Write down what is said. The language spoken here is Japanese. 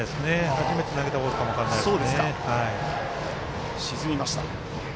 初めて投げたボールかも分からないです。